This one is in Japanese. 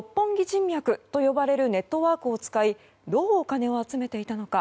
人脈と呼ばれるネットワークを使いどう金を集めていたのか。